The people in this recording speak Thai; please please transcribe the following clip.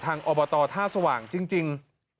อบตท่าสว่างจริง